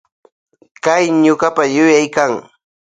Hay ñukapa yuyaykan.